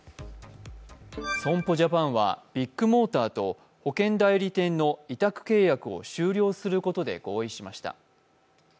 損保ジャパンはビッグモーターと保険代理店の委託契約を終了することで合意しました。